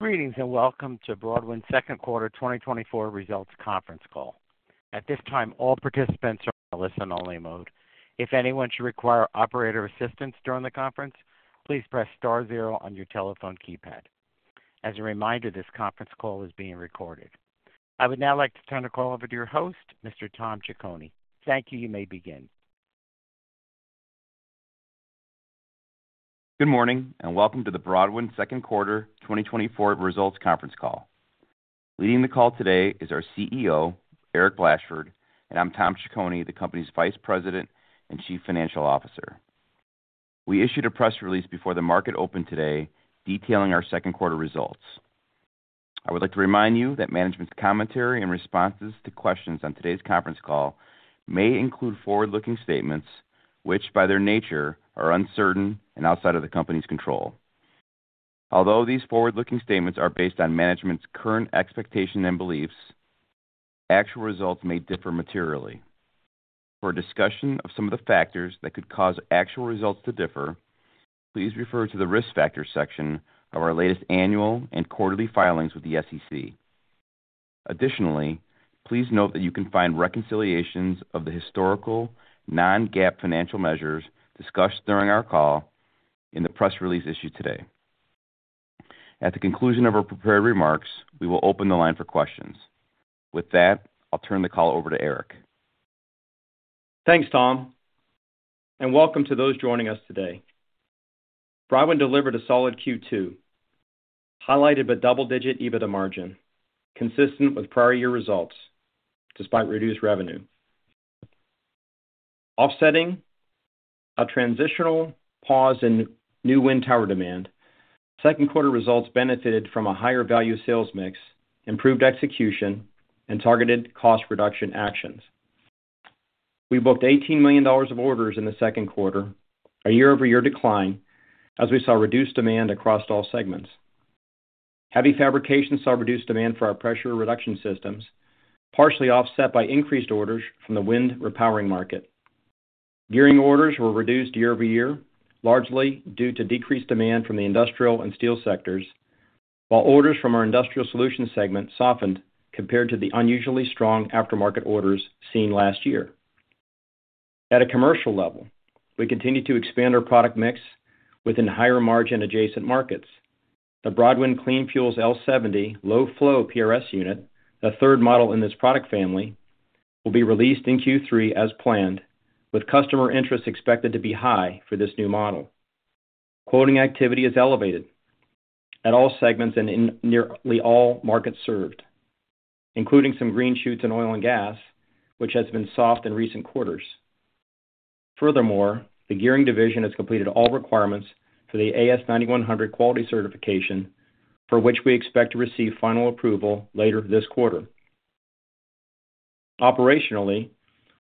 Greetings, and welcome to Broadwind's Second Quarter 2024 Results Conference Call. At this time, all participants are in a listen-only mode. If anyone should require operator assistance during the conference, please press star zero on your telephone keypad. As a reminder, this conference call is being recorded. I would now like to turn the call over to your host, Mr. Tom Ciccone. Thank you. You may begin. Good morning, and welcome to the Broadwind second quarter 2024 results conference call. Leading the call today is our CEO, Eric Blashford, and I'm Tom Ciccone, the company's Vice President and Chief Financial Officer. We issued a press release before the market opened today, detailing our second quarter results. I would like to remind you that management's commentary and responses to questions on today's conference call may include forward-looking statements, which, by their nature, are uncertain and outside of the company's control. Although these forward-looking statements are based on management's current expectation and beliefs, actual results may differ materially. For a discussion of some of the factors that could cause actual results to differ, please refer to the Risk Factors section of our latest annual and quarterly filings with the SEC. Additionally, please note that you can find reconciliations of the historical non-GAAP financial measures discussed during our call in the press release issued today. At the conclusion of our prepared remarks, we will open the line for questions. With that, I'll turn the call over to Eric. Thanks, Tom, and welcome to those joining us today. Broadwind delivered a solid Q2, highlighted by double-digit EBITDA margin, consistent with prior year results, despite reduced revenue. Offsetting a transitional pause in new wind tower demand, second quarter results benefited from a higher value sales mix, improved execution, and targeted cost reduction actions. We booked $18 million of orders in the second quarter, a year-over-year decline, as we saw reduced demand across all segments. Heavy fabrication saw reduced demand for our pressure reduction systems, partially offset by increased orders from the wind repowering market. Gearing orders were reduced year-over-year, largely due to decreased demand from the industrial and steel sectors, while orders from our industrial solutions segment softened compared to the unusually strong aftermarket orders seen last year. At a commercial level, we continue to expand our product mix within higher-margin adjacent markets. The Broadwind Clean Fuels L70 low-flow PRS unit, the third model in this product family, will be released in Q3 as planned, with customer interest expected to be high for this new model. Quoting activity is elevated at all segments and in nearly all markets served, including some green shoots in oil and gas, which has been soft in recent quarters. Furthermore, the gearing division has completed all requirements for the AS9100 quality certification, for which we expect to receive final approval later this quarter. Operationally,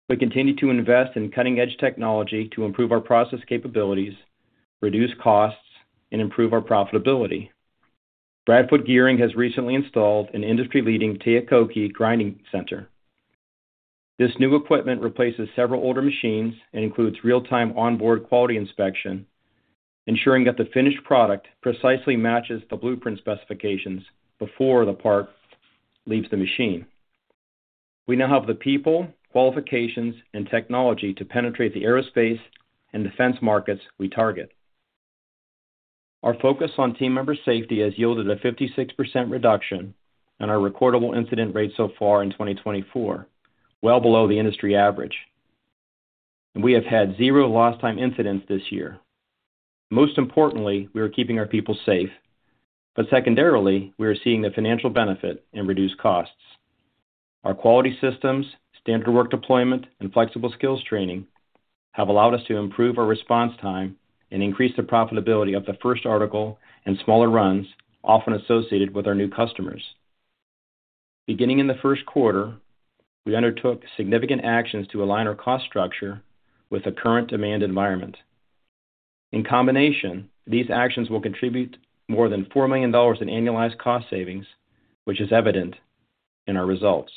we continue to invest in cutting-edge technology to improve our process capabilities, reduce costs, and improve our profitability. Brad Foote Gearing has recently installed an industry-leading Taiyo Koki grinding center. This new equipment replaces several older machines and includes real-time onboard quality inspection, ensuring that the finished product precisely matches the blueprint specifications before the part leaves the machine. We now have the people, qualifications, and technology to penetrate the aerospace and defense markets we target. Our focus on team member safety has yielded a 56% reduction in our recordable incident rate so far in 2024, well below the industry average, and we have had 0 lost time incidents this year. Most importantly, we are keeping our people safe, but secondarily, we are seeing the financial benefit in reduced costs. Our quality systems, standard work deployment, and flexible skills training have allowed us to improve our response time and increase the profitability of the first article and smaller runs often associated with our new customers. Beginning in the first quarter, we undertook significant actions to align our cost structure with the current demand environment. In combination, these actions will contribute more than $4 million in annualized cost savings, which is evident in our results.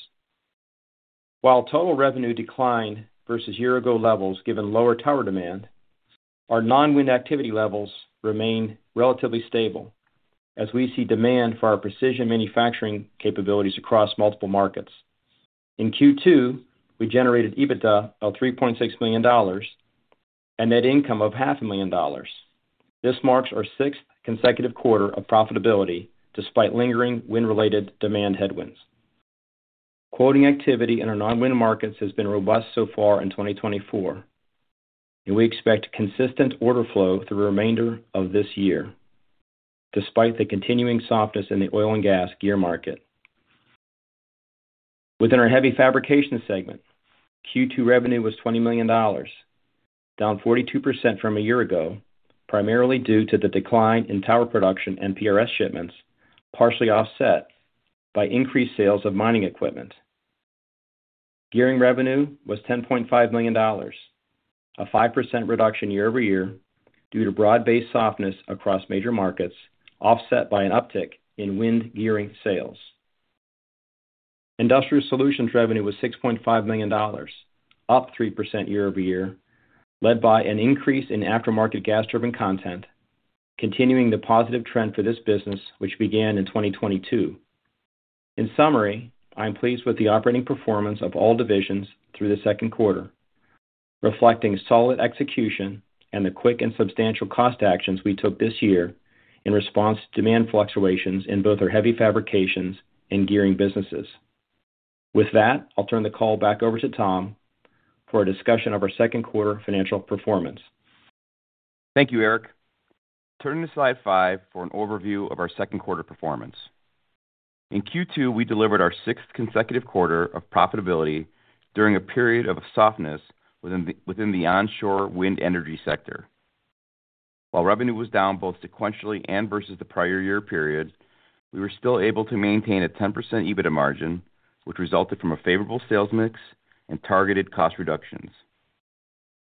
While total revenue declined versus year-ago levels, given lower tower demand, our non-wind activity levels remain relatively stable as we see demand for our precision manufacturing capabilities across multiple markets. In Q2, we generated EBITDA of $3.6 million and net income of $500,000. This marks our sixth consecutive quarter of profitability, despite lingering wind-related demand headwinds. Quoting activity in our non-wind markets has been robust so far in 2024, and we expect consistent order flow through the remainder of this year, despite the continuing softness in the oil and gas gear market. Within our heavy fabrication segment, Q2 revenue was $20 million, down 42% from a year ago, primarily due to the decline in tower production and PRS shipments, partially offset by increased sales of mining equipment. Gearing revenue was $10.5 million, a 5% reduction year-over-year due to broad-based softness across major markets, offset by an uptick in wind gearing sales. Industrial Solutions revenue was $6.5 million, up 3% year-over-year, led by an increase in aftermarket gas turbine content, continuing the positive trend for this business, which began in 2022. In summary, I'm pleased with the operating performance of all divisions through the second quarter, reflecting solid execution and the quick and substantial cost actions we took this year in response to demand fluctuations in both our heavy fabrications and gearing businesses. With that, I'll turn the call back over to Tom for a discussion of our second quarter financial performance. Thank you, Eric. Turning to Slide five for an overview of our second quarter performance. In Q2, we delivered our sixth consecutive quarter of profitability during a period of softness within the onshore wind energy sector. While revenue was down both sequentially and versus the prior year period, we were still able to maintain a 10% EBITDA margin, which resulted from a favorable sales mix and targeted cost reductions.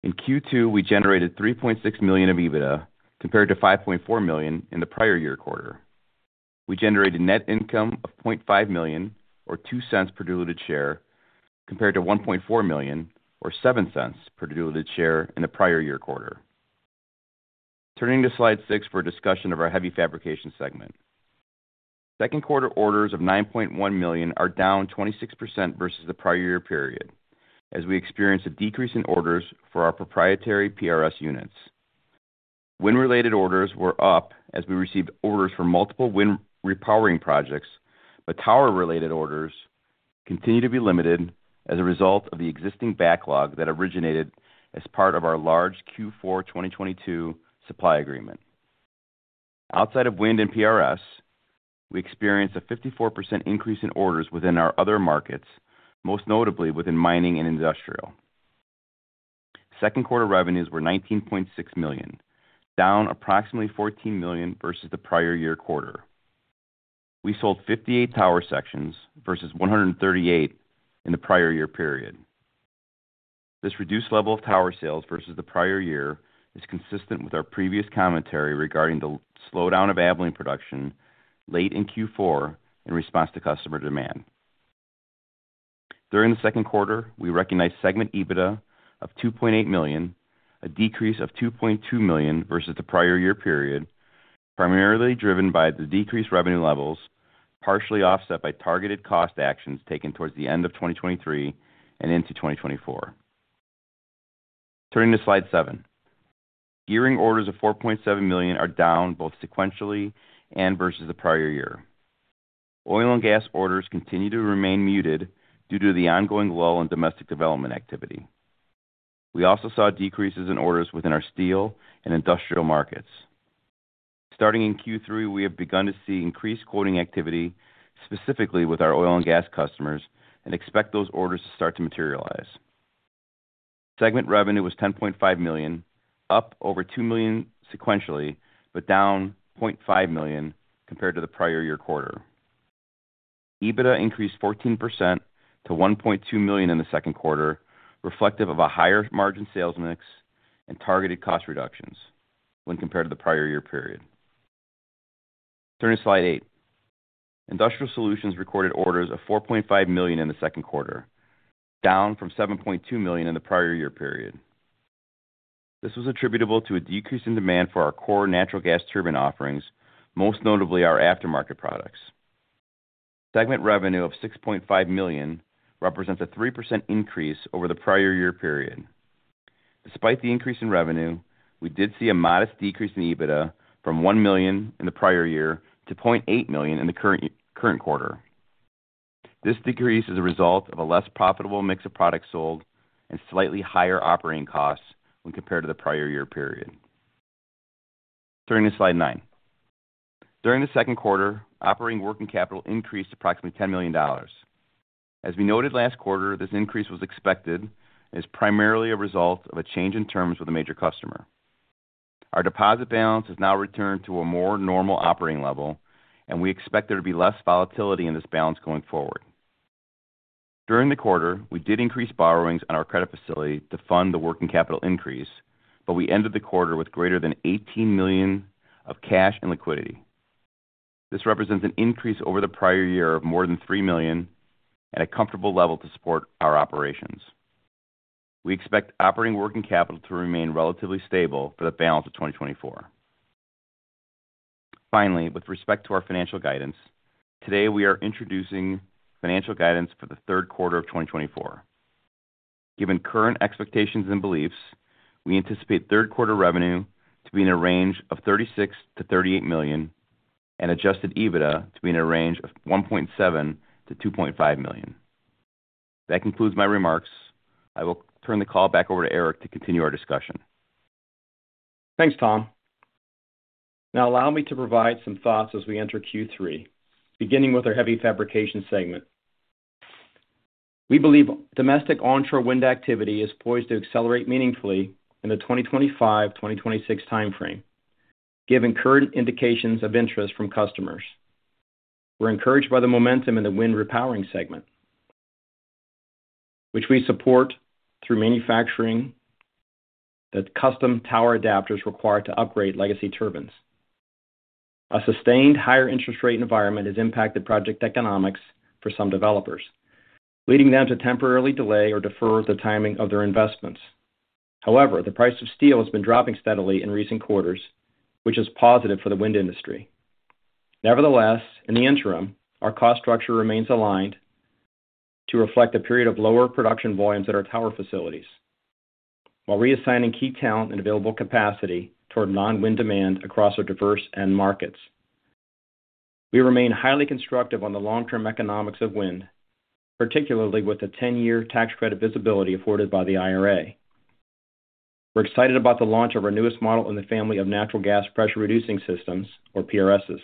In Q2, we generated $3.6 million of EBITDA, compared to $5.4 million in the prior year quarter. We generated net income of $0.5 million, or $0.02 per diluted share, compared to $1.4 million, or $0.07 per diluted share in the prior year quarter. Turning to Slide six for a discussion of our heavy fabrication segment. Second quarter orders of $9.1 million are down 26% versus the prior year period, as we experienced a decrease in orders for our proprietary PRS units. Wind-related orders were up as we received orders from multiple wind repowering projects, but tower-related orders continue to be limited as a result of the existing backlog that originated as part of our large Q4 2022 supply agreement. Outside of wind and PRS, we experienced a 54% increase in orders within our other markets, most notably within mining and industrial. Second quarter revenues were $19.6 million, down approximately $14 million versus the prior year quarter. We sold 58 tower sections versus 138 in the prior year period. This reduced level of tower sales versus the prior year is consistent with our previous commentary regarding the slowdown of Abilene production late in Q4 in response to customer demand. During the second quarter, we recognized segment EBITDA of $2.8 million, a decrease of $2.2 million versus the prior year period, primarily driven by the decreased revenue levels, partially offset by targeted cost actions taken towards the end of 2023 and into 2024. Turning to Slide seven. Gearing orders of $4.7 million are down both sequentially and versus the prior year. Oil and gas orders continue to remain muted due to the ongoing lull in domestic development activity. We also saw decreases in orders within our steel and industrial markets. Starting in Q3, we have begun to see increased quoting activity, specifically with our oil and gas customers, and expect those orders to start to materialize. Segment revenue was $10.5 million, up over $2 million sequentially, but down $0.5 million compared to the prior year quarter. EBITDA increased 14% to $1.2 million in the second quarter, reflective of a higher margin sales mix and targeted cost reductions when compared to the prior year period. Turning to Slide eight. Industrial Solutions recorded orders of $4.5 million in the second quarter, down from $7.2 million in the prior year period. Segment revenue of $6.5 million represents a 3% increase over the prior year period. Despite the increase in revenue, we did see a modest decrease in EBITDA from $1 million in the prior year to $0.8 million in the current, current quarter. This decrease is a result of a less profitable mix of products sold and slightly higher operating costs when compared to the prior year period. Turning to Slide nine. During the second quarter, operating working capital increased approximately $10 million. As we noted last quarter, this increase was expected and is primarily a result of a change in terms with a major customer. Our deposit balance has now returned to a more normal operating level, and we expect there to be less volatility in this balance going forward. During the quarter, we did increase borrowings on our credit facility to fund the working capital increase, but we ended the quarter with greater than $18 million of cash and liquidity. This represents an increase over the prior year of more than $3 million at a comfortable level to support our operations. We expect operating working capital to remain relatively stable for the balance of 2024. Finally, with respect to our financial guidance, today, we are introducing financial guidance for the third quarter of 2024. Given current expectations and beliefs, we anticipate third quarter revenue to be in a range of $36 million-$38 million, and Adjusted EBITDA to be in a range of $1.7 million-$2.5 million. That concludes my remarks. I will turn the call back over to Eric to continue our discussion. Thanks, Tom. Now allow me to provide some thoughts as we enter Q3, beginning with our heavy fabrication segment. We believe domestic onshore wind activity is poised to accelerate meaningfully in the 2025, 2026 time frame, given current indications of interest from customers. We're encouraged by the momentum in the wind repowering segment, which we support through manufacturing the custom tower adapters required to upgrade legacy turbines. A sustained higher interest rate environment has impacted project economics for some developers, leading them to temporarily delay or defer the timing of their investments. However, the price of steel has been dropping steadily in recent quarters, which is positive for the wind industry. Nevertheless, in the interim, our cost structure remains aligned to reflect a period of lower production volumes at our tower facilities, while reassigning key talent and available capacity toward non-wind demand across our diverse end markets. We remain highly constructive on the long-term economics of wind, particularly with the 10-year tax credit visibility afforded by the IRA. We're excited about the launch of our newest model in the family of natural gas pressure-reducing systems, or PRS's.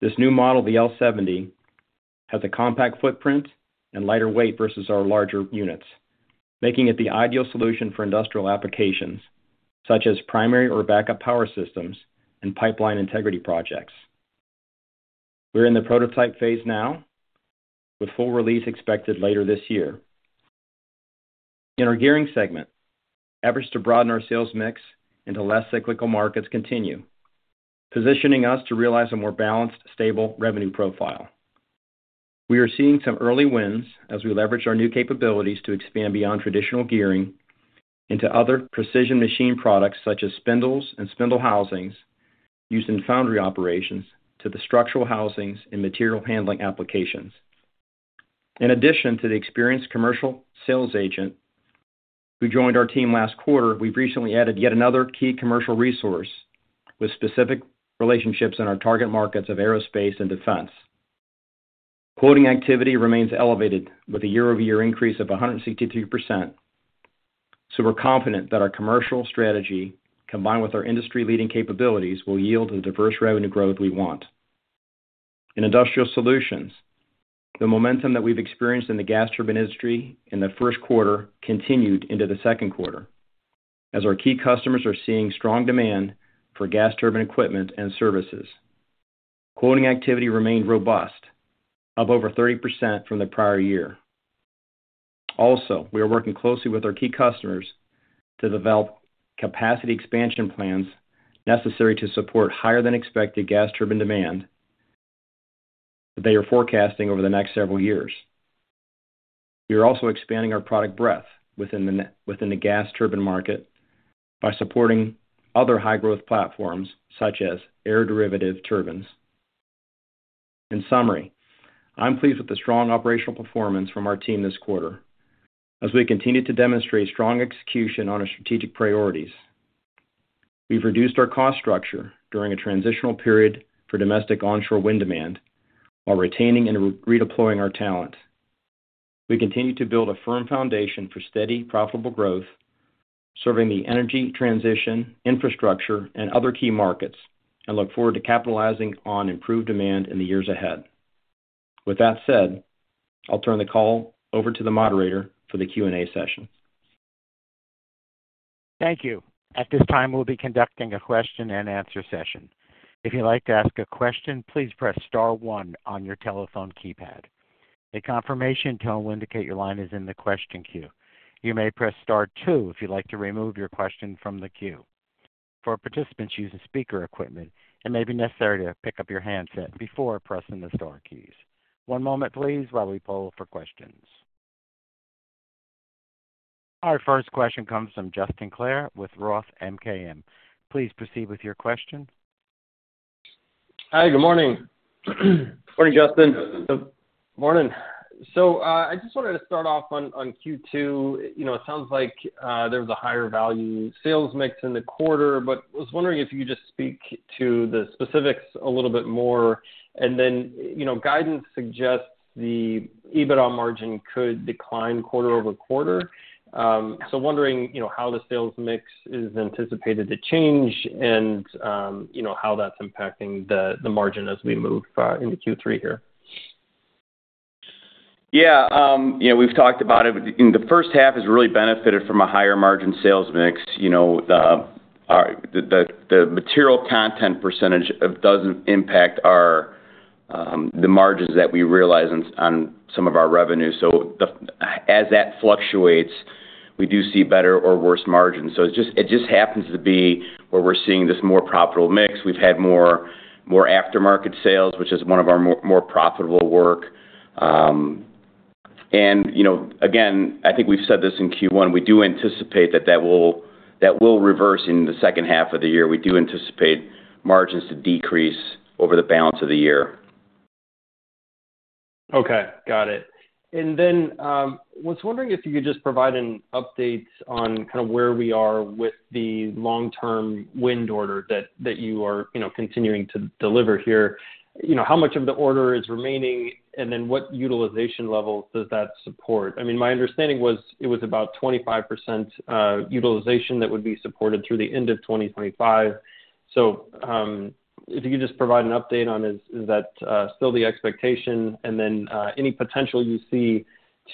This new model, the L70, has a compact footprint and lighter weight versus our larger units, making it the ideal solution for industrial applications such as primary or backup power systems and pipeline integrity projects. We're in the prototype phase now, with full release expected later this year. In our gearing segment, efforts to broaden our sales mix into less cyclical markets continue, positioning us to realize a more balanced, stable revenue profile. We are seeing some early wins as we leverage our new capabilities to expand beyond traditional gearing into other precision machine products, such as spindles and spindle housings used in foundry operations, to the structural housings and material handling applications. In addition to the experienced commercial sales agent who joined our team last quarter, we've recently added yet another key commercial resource with specific relationships in our target markets of aerospace and defense. Quoting activity remains elevated, with a year-over-year increase of 162%, so we're confident that our commercial strategy, combined with our industry-leading capabilities, will yield the diverse revenue growth we want. In industrial solutions, the momentum that we've experienced in the gas turbine industry in the first quarter continued into the second quarter, as our key customers are seeing strong demand for gas turbine equipment and services. Quoting activity remained robust, up over 30% from the prior year. Also, we are working closely with our key customers to develop capacity expansion plans necessary to support higher-than-expected gas turbine demand that they are forecasting over the next several years. We are also expanding our product breadth within the gas turbine market by supporting other high-growth platforms, such as aeroderivative turbines. In summary, I'm pleased with the strong operational performance from our team this quarter, as we continue to demonstrate strong execution on our strategic priorities. We've reduced our cost structure during a transitional period for domestic onshore wind demand while retaining and redeploying our talent. We continue to build a firm foundation for steady, profitable growth, serving the energy transition, infrastructure, and other key markets, and look forward to capitalizing on improved demand in the years ahead. With that said, I'll turn the call over to the moderator for the Q&A session. Thank you. At this time, we'll be conducting a question-and-answer session. If you'd like to ask a question, please press star one on your telephone keypad. A confirmation tone will indicate your line is in the question queue. You may press star two if you'd like to remove your question from the queue. For participants using speaker equipment, it may be necessary to pick up your handset before pressing the star keys. One moment, please, while we poll for questions. Our first question comes from Justin Clare with Roth MKM. Please proceed with your question. Hi, good morning. Morning, Justin. Morning. So, I just wanted to start off on, on Q2. You know, it sounds like, there was a higher value sales mix in the quarter, but I was wondering if you could just speak to the specifics a little bit more. And then, you know, guidance suggests the EBITDA margin could decline quarter-over-quarter. So wondering, you know, how the sales mix is anticipated to change and, you know, how that's impacting the, the margin as we move, into Q3 here? Yeah, you know, we've talked about it. In the first half has really benefited from a higher margin sales mix. You know, the material content percentage of -- doesn't impact our the margins that we realize on some of our revenue. So the -- as that fluctuates, we do see better or worse margins. So it just happens to be where we're seeing this more profitable mix. We've had more aftermarket sales, which is one of our more profitable work. And, you know, again, I think we've said this in Q1, we do anticipate that that will reverse in the second half of the year. We do anticipate margins to decrease over the balance of the year. Okay, got it. And then was wondering if you could just provide an update on kind of where we are with the long-term wind order that you are, you know, continuing to deliver here. You know, how much of the order is remaining, and then what utilization levels does that support? I mean, my understanding was it was about 25% utilization that would be supported through the end of 2025. So, if you could just provide an update on, is that still the expectation? And then any potential you see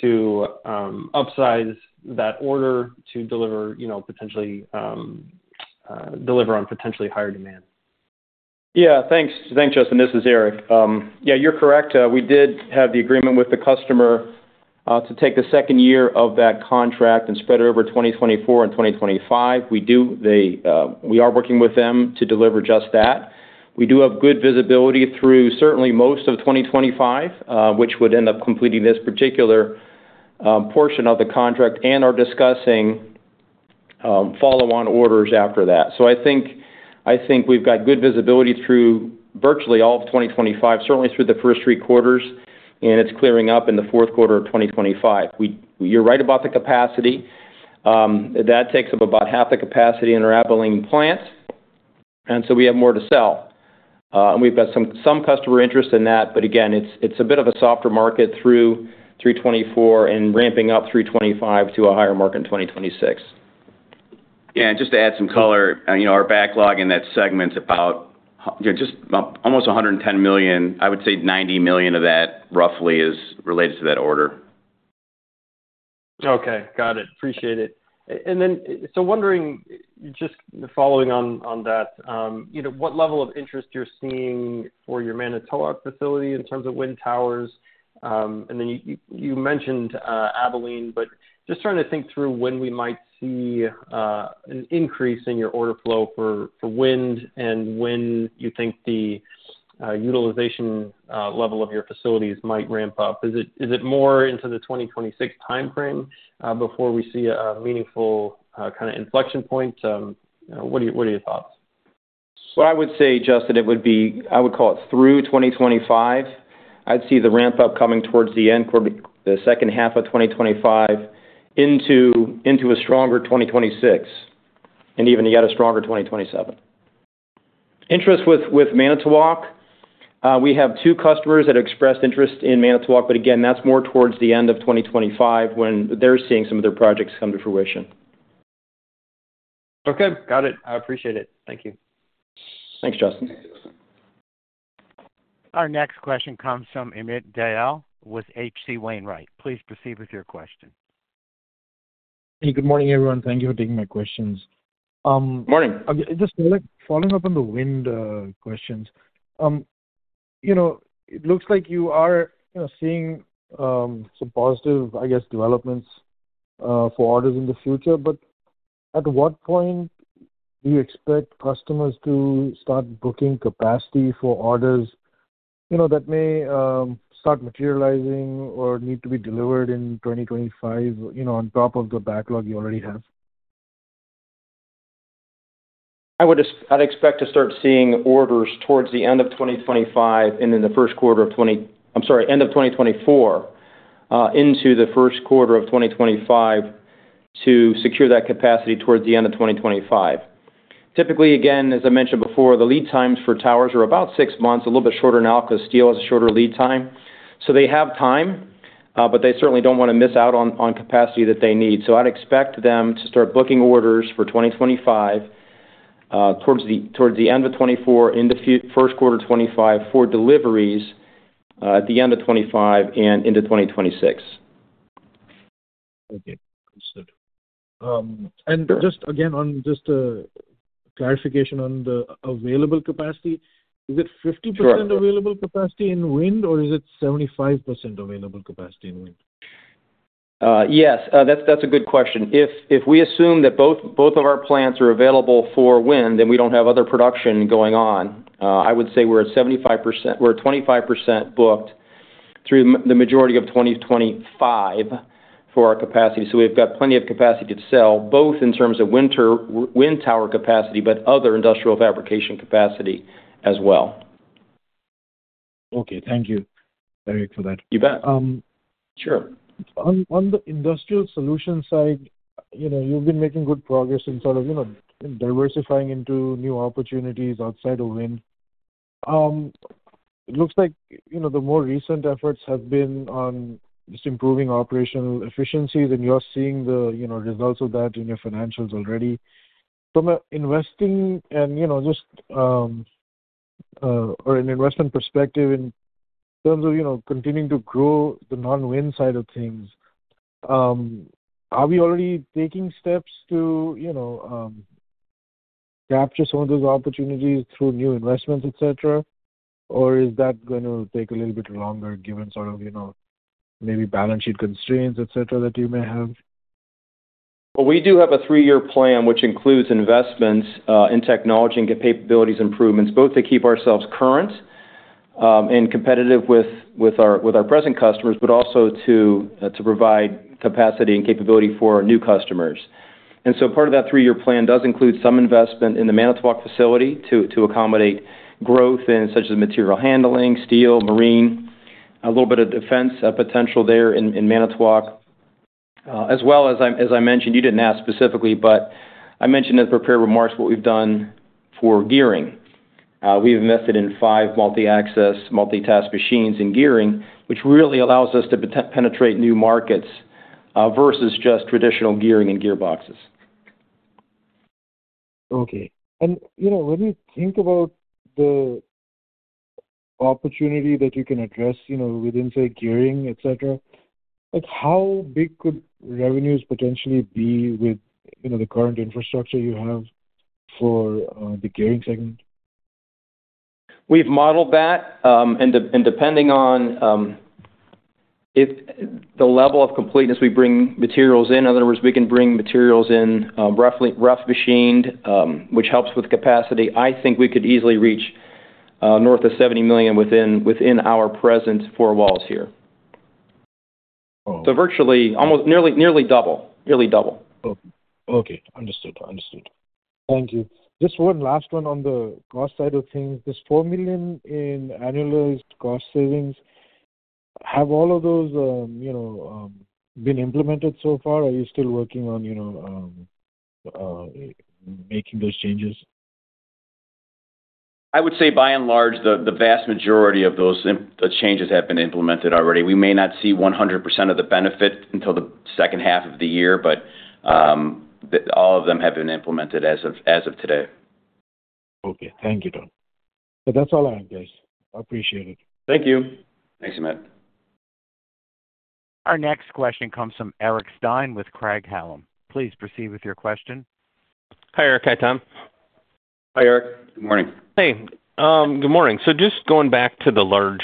to upsize that order to deliver, you know, potentially deliver on potentially higher demand. Yeah, thanks. Thanks, Justin. This is Eric. Yeah, you're correct. We did have the agreement with the customer to take the second year of that contract and spread it over 2024 and 2025. We do—they, we are working with them to deliver just that. We do have good visibility through certainly most of 2025, which would end up completing this particular portion of the contract and are discussing follow-on orders after that. So I think, I think we've got good visibility through virtually all of 2025, certainly through the first three quarters, and it's clearing up in the fourth quarter of 2025. We—you're right about the capacity. That takes up about half the capacity in our Abilene plant, and so we have more to sell. We've got some customer interest in that, but again, it's a bit of a softer market through 2024 and ramping up 2025 to a higher market in 2026. Yeah, and just to add some color, you know, our backlog in that segment is about, you know, just about almost $110 million. I would say $90 million of that, roughly, is related to that order. Okay, got it. Appreciate it. And then, so wondering, just following on, on that, you know, what level of interest you're seeing for your Manitowoc facility in terms of wind towers? And then you mentioned Abilene, but just trying to think through when we might see an increase in your order flow for wind and when you think the utilization level of your facilities might ramp up. Is it more into the 2026 timeframe before we see a meaningful kind of inflection point? What are your thoughts? So I would say, Justin, it would be. I would call it through 2025. I'd see the ramp-up coming towards the end quarter, the second half of 2025 into a stronger 2026, and even yet a stronger 2027. Interest with Manitowoc, we have two customers that expressed interest in Manitowoc, but again, that's more towards the end of 2025, when they're seeing some of their projects come to fruition. Okay, got it. I appreciate it. Thank you. Thanks, Justin. Our next question comes from Amit Dayal with H.C. Wainwright. Please proceed with your question. Hey, good morning, everyone. Thank you for taking my questions. Good morning. Just like following up on the wind questions. You know, it looks like you are seeing some positive, I guess, developments for orders in the future. But at what point do you expect customers to start booking capacity for orders, you know, that may start materializing or need to be delivered in 2025, you know, on top of the backlog you already have? I'd expect to start seeing orders towards the end of 2024, into the first quarter of 2025 to secure that capacity towards the end of 2025. Typically, again, as I mentioned before, the lead times for towers are about six months, a little bit shorter now because steel has a shorter lead time. So they have time, but they certainly don't want to miss out on capacity that they need. So I'd expect them to start booking orders for 2025, towards the end of 2024, in the first quarter of 2025, for deliveries at the end of 2025 and into 2026. Okay, understood. And just again, on just a clarification on the available capacity, is it 50% available capacity in wind, or is it 75% available capacity in wind? Yes, that's a good question. If we assume that both of our plants are available for wind, and we don't have other production going on, I would say we're at 75%. We're at 25% booked through the majority of 2025 for our capacity. So we've got plenty of capacity to sell, both in terms of wind tower capacity, but other industrial fabrication capacity as well. Okay. Thank you, Eric, for that. You bet. Sure. On the industrial solutions side, you know, you've been making good progress in sort of, you know, diversifying into new opportunities outside of wind. It looks like, you know, the more recent efforts have been on just improving operational efficiencies, and you're seeing the, you know, results of that in your financials already. From an investing and, you know, just, or an investment perspective in terms of, you know, continuing to grow the non-wind side of things, are we already taking steps to, you know, capture some of those opportunities through new investments, et cetera? Or is that gonna take a little bit longer, given sort of, you know, maybe balance sheet constraints, et cetera, that you may have? Well, we do have a three-year plan, which includes investments in technology and gear capabilities improvements, both to keep ourselves current and competitive with, with our, with our present customers, but also to provide capacity and capability for new customers. And so part of that three-year plan does include some investment in the Manitowoc facility to accommodate growth in, such as material handling, steel, marine, a little bit of defense, potential there in Manitowoc. As well, as I, as I mentioned, you didn't ask specifically, but I mentioned in the prepared remarks what we've done for gearing. We've invested in 5 multi-axis, multi-task machines in gearing, which really allows us to penetrate new markets versus just traditional gearing and gearboxes. Okay. And, you know, when we think about the opportunity that you can address, you know, within, say, gearing, et cetera. Like, how big could revenues potentially be with, you know, the current infrastructure you have for the gearing segment? We've modeled that, and depending on if the level of completeness we bring materials in, other words, we can bring materials in rough machined, which helps with capacity, I think we could easily reach north of $70 million within our present four walls here. So virtually, almost nearly, nearly double. Nearly double. Oh, okay. Understood. Understood. Thank you. Just one last one on the cost side of things. This $4 million in annualized cost savings, have all of those, you know, been implemented so far? Are you still working on, you know, making those changes? I would say by and large, the vast majority of those changes have been implemented already. We may not see 100% of the benefit until the second half of the year, but all of them have been implemented as of today. Okay. Thank you, Tom. So that's all I have, guys. I appreciate it. Thank you. Thanks, Amit. Our next question comes from Eric Stine with Craig-Hallum. Please proceed with your question. Hi, Eric. Hi, Tom. Hi, Eric. Good morning. Hey, good morning. So just going back to the large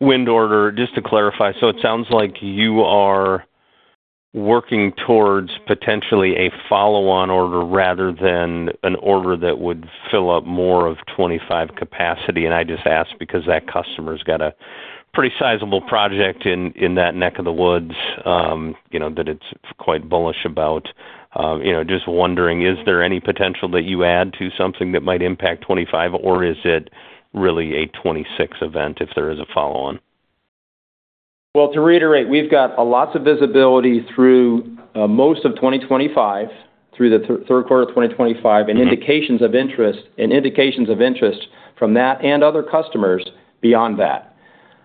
wind order, just to clarify, so it sounds like you are working towards potentially a follow-on order rather than an order that would fill up more of 25 capacity. And I just ask because that customer's got a pretty sizable project in, in that neck of the woods, you know, that it's quite bullish about. You know, just wondering, is there any potential that you add to something that might impact 25, or is it really a 26 event if there is a follow-on? Well, to reiterate, we've got a lot of visibility through most of 2025, through the third quarter of 2025 and indications of interest, and indications of interest from that and other customers beyond that.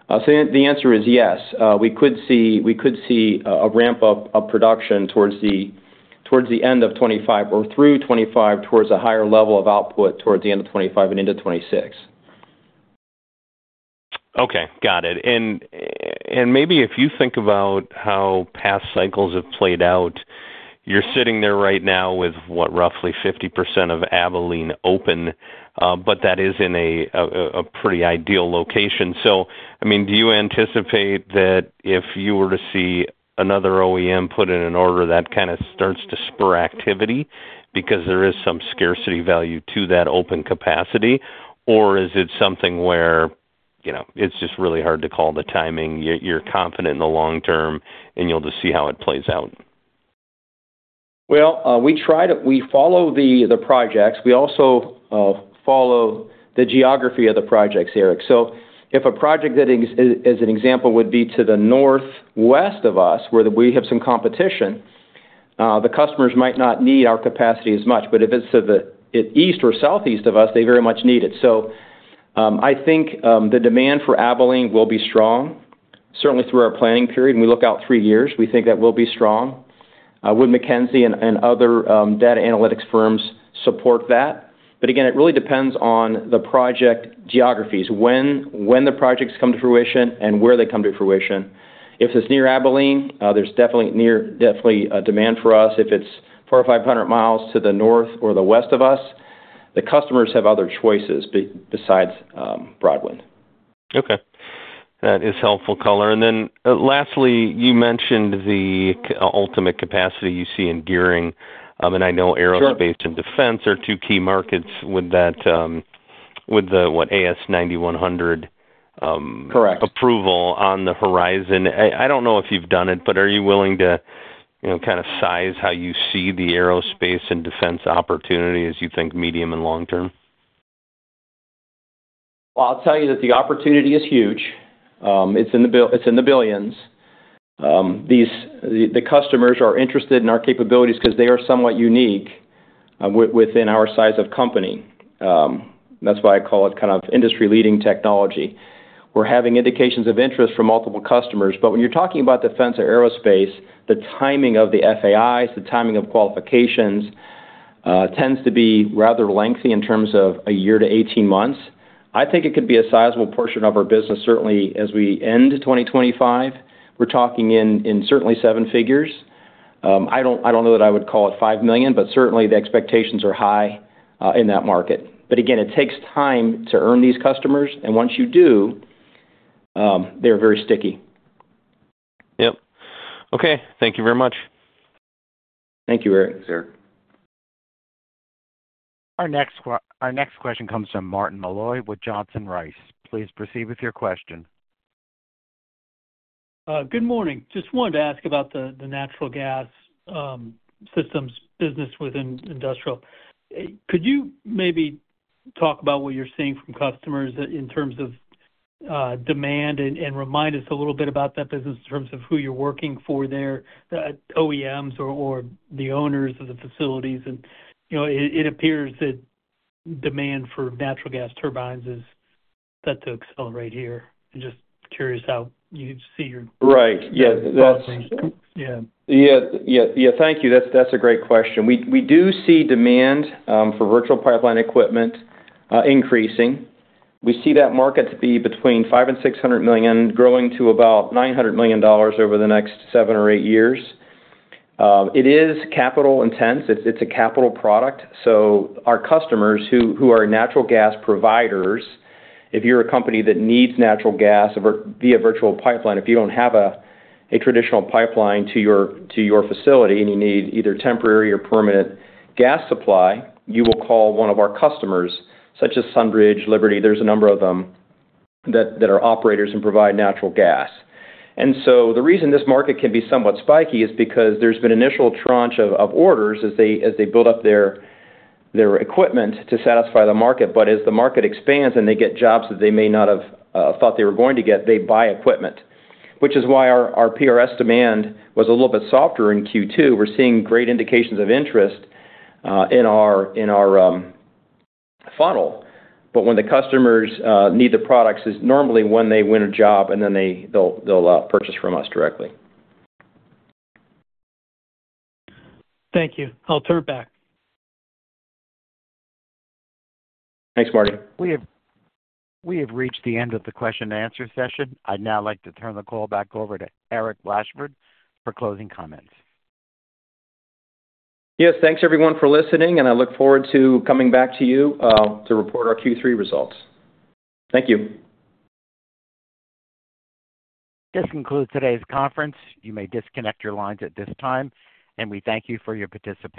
So the answer is yes, we could see a ramp-up of production towards the end of 2025 or through 2025, towards a higher level of output towards the end of 2025 and into 2026. Okay, got it. And maybe if you think about how past cycles have played out, you're sitting there right now with, what, roughly 50% of Abilene open, but that is in a pretty ideal location. So, I mean, do you anticipate that if you were to see another OEM put in an order, that kind of starts to spur activity? Because there is some scarcity value to that open capacity, or is it something where, you know, it's just really hard to call the timing, you're confident in the long term, and you'll just see how it plays out? Well, we try to. We follow the projects. We also follow the geography of the projects, Eric. So if a project that is, as an example, would be to the northwest of us, where we have some competition, the customers might not need our capacity as much. But if it's to the east or southeast of us, they very much need it. So, I think the demand for Abilene will be strong, certainly through our planning period, and we look out three years. We think that will be strong. Wood Mackenzie and other data analytics firms support that. But again, it really depends on the project geographies. When the projects come to fruition and where they come to fruition. If it's near Abilene, there's definitely a demand for us. If it's 400 or 500 miles to the north or the west of us, the customers have other choices besides Broadwind. Okay. That is helpful color. And then, lastly, you mentioned the ultimate capacity you see in gearing. And I know aerospace and defense are two key markets with that, with the AS9100... Correct approval on the horizon. I don't know if you've done it, but are you willing to, you know, kind of size how you see the aerospace and defense opportunity as you think, medium and long term? Well, I'll tell you that the opportunity is huge. It's in the billions. These, the customers are interested in our capabilities because they are somewhat unique, within our size of company. That's why I call it kind of industry-leading technology. We're having indications of interest from multiple customers, but when you're talking about defense or aerospace, the timing of the FAIs, the timing of qualifications, tends to be rather lengthy in terms of a year to 18 months. I think it could be a sizable portion of our business, certainly as we end 2025. We're talking in certainly seven figures. I don't know that I would call it $5 million, but certainly, the expectations are high in that market. But again, it takes time to earn these customers, and once you do, they're very sticky. Yep. Okay. Thank you very much. Thank you, Eric. Sir. Our next question comes from Martin Malloy with Johnson Rice. Please proceed with your question. Good morning. Just wanted to ask about the natural gas systems business within industrial. Could you maybe talk about what you're seeing from customers in terms of demand, and remind us a little bit about that business in terms of who you're working for there, the OEMs or the owners of the facilities? And, you know, it appears that demand for natural gas turbines is set to accelerate here. I'm just curious how you see your- Right. Yeah, that's- Yeah. Yeah, yeah. Yeah, thank you. That's a great question. We do see demand for virtual pipeline equipment increasing. We see that market to be between $500 million and $600 million, growing to about $900 million over the next seven or eight years. It is capital intensive. It's a capital product, so our customers who are natural gas providers, if you're a company that needs natural gas via virtual pipeline, if you don't have a traditional pipeline to your facility, and you need either temporary or permanent gas supply, you will call one of our customers, such as Sunbridge, Liberty. There's a number of them that are operators and provide natural gas. And so the reason this market can be somewhat spiky is because there's been initial tranche of orders as they build up their equipment to satisfy the market. But as the market expands and they get jobs that they may not have thought they were going to get, they buy equipment. Which is why our PRS demand was a little bit softer in Q2. We're seeing great indications of interest in our funnel, but when the customers need the products is normally when they win a job, and then they'll purchase from us directly. Thank you. I'll turn back. Thanks, Martin. We have reached the end of the question and answer session. I'd now like to turn the call back over to Eric Blashford for closing comments. Yes, thanks, everyone, for listening, and I look forward to coming back to you, to report our Q3 results. Thank you. This concludes today's conference. You may disconnect your lines at this time, and we thank you for your participation.